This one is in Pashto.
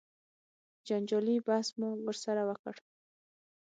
جنجالي بحث مو ورسره وکړ.